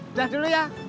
udah dulu ya